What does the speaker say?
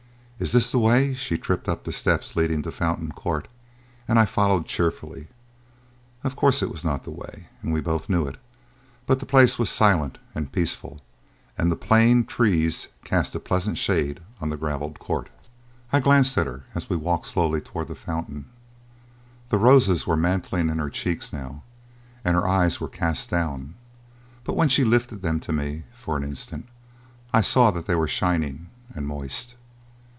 "Is this the way?" She tripped up the steps leading to Fountain Court and I followed cheerfully. Of course it was not the way, and we both knew it, but the place was silent and peaceful, and the plane trees cast a pleasant shade on the gravelled court. I glanced at her as we walked slowly towards the fountain. The roses were mantling in her cheeks now and her eyes were cast down, but when she lifted them to me for an instant, I saw that they were shining and moist.